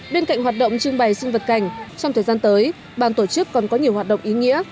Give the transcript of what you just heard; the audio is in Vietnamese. bên cạnh hoạt động trưng bày sinh vật cảnh trong thời gian tới ban tổ chức còn có nhiều hoạt động ý nghĩa